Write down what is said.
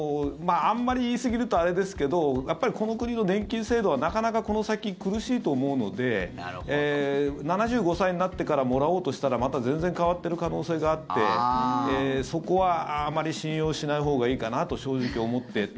あんまり言いすぎるとあれですけどやっぱりこの国の年金制度はなかなかこの先苦しいと思うので７５歳になってからもらおうとしたらまた全然変わっている可能性があってそこはあまり信用しないほうがいいかなと正直思って。